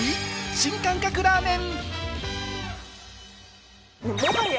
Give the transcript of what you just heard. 新感覚ラーメン。